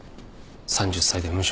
３０歳で無職。